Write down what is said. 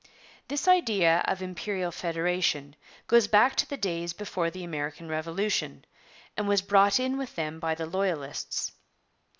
This idea of Imperial Federation goes back to the days before the American Revolution, and was brought in with them by the Loyalists.